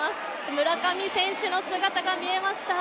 村上選手の姿が見えました。